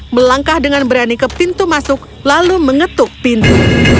melangkah dengan berani ke pintu masuk lalu mengetuk pintu